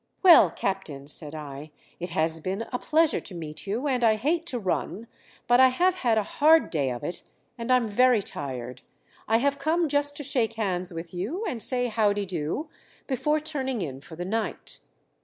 "Well, Captain," said I, "it has been a pleasure to meet you, and I hate to run; but I have had a hard day of it, and I'm very tired. I have come just to shake hands with you and say howdido, before turning in for the night."